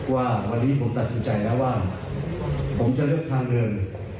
ว่าวันนี้ผมตัดสินใจแล้วว่าผมจะเลือกทางเดิน